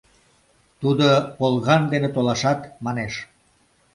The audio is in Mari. — Тудо полган дене толашат, — манеш.